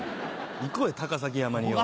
行こうよ高崎山によ。